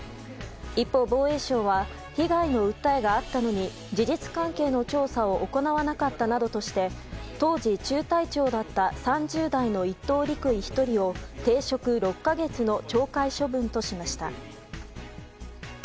一方、防衛省は被害の訴えがあったのに事実関係の調査を行わなかったなどとして当時、中隊長だった３０代の１等陸尉１人を停職６か月の懲戒処分としました。